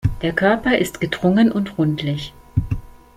Der Körper ist gedrungen und rundlich.